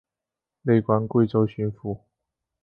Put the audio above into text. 累官贵州巡抚。